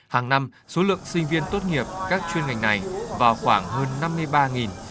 hàng năm số lượng sinh viên tốt nghiệp các chuyên ngành này vào khoảng hơn năm mươi ba